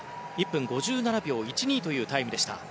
１分５７秒１２というタイム。